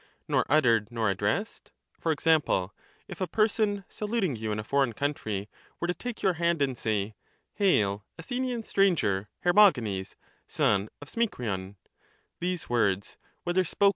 Nor uttered nor addressed? For example: If a person, saluting you in a foreign country, were to take your hand and say :' Hail, Athenian stranger, Hermogenes, son of Smicrion '— these words, whether spoken, said, uttered, or Cratylus.